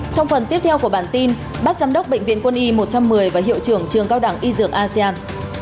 trong phần tiếp theo của bản tin bác giám đốc bệnh viện quân y một trăm một mươi và hiệu trưởng trường cao đẳng y dược asean